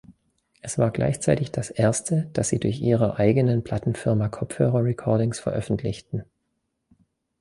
Es war gleichzeitig das erste, das sie durch ihrer eigenen Plattenfirma Kopfhörer Recordings veröffentlichten.